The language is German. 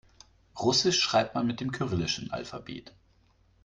Russisch schreibt man mit dem kyrillischen Alphabet.